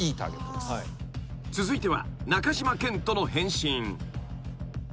［続いては中島健人の返信］